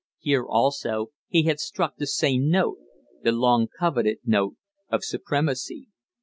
Here, also, he had struck the same note the long coveted note of supremacy.